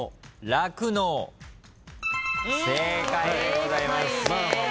正解でございます。